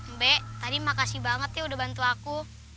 mbak tadi makasih banget ya udah bantu aku